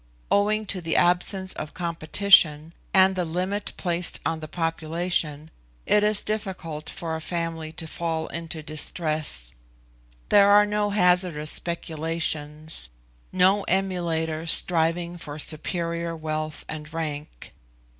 Owing to this absence of competition, and the limit placed on the population, it is difficult for a family to fall into distress; there are no hazardous speculations, no emulators striving for superior wealth and rank.